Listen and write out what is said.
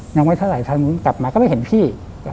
ยังไม่เท่าไหร่ทางนู้นกลับมาก็ไม่เห็นพี่